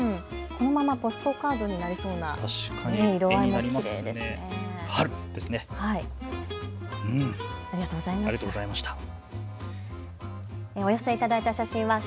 このままポストカードになりそうないい写真ですね。